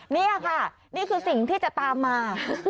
นี่ค่ะนี่คือสิ่งที่จะตามมา